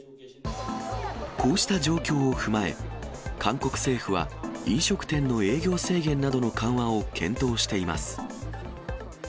こうした状況を踏まえ、韓国政府は飲食店の営業制限などの緩和を検討しています。